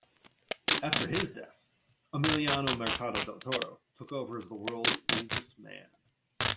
After his death, Emiliano Mercado Del Toro took over as the world's oldest man.